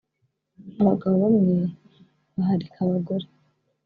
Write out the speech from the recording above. abagabo bamwe baharika abagore